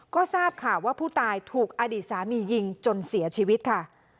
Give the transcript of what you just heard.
ก็ทราบข่าวว่าผู้ตายถูกอดีตสามียิงจนเสียชีวิตค่ะ